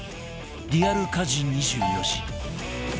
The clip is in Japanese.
リアル家事２４時